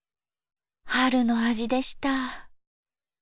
春の味でした。